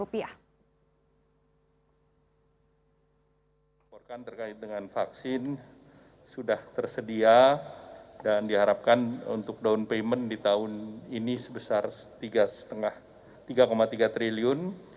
imporkan terkait dengan vaksin sudah tersedia dan diharapkan untuk down payment di tahun ini sebesar rp tiga tiga triliun